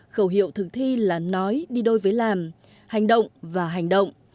khẩu hiệu thực thi là nói đi đôi với làm hành động và hành động